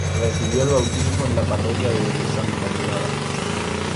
Recibió el bautismo en la Parroquia de Santa Librada.